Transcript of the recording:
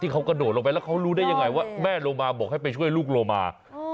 เขาโดดไปหมาว่าแม่โลมาให้ช่วยลูกโลมา